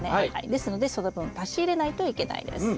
ですのでその分足し入れないといけないです。